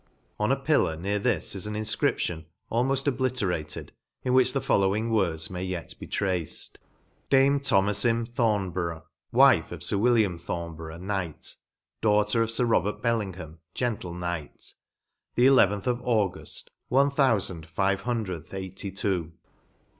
On a pillar, near this, is an infcription, almoft obliterated, in which the following words may yet be traced :" Dame aoS ENGLAND* " Dame Thomafim Thornburgh WifFe of Sir William Thornburgh Knyght Daughter of Sir Robert Bellingham Gentle Knyght : the ellventhe of Auguft On thoufand fyue hundreth eightie too."